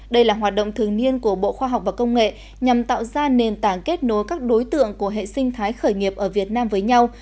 đây là hoạt động thường niên của bộ khoa học và công nghệ nhằm tạo ra nền tảng kết nối các đối tượng của hệ sinh thái khởi nghiệp ở việt nam với nhau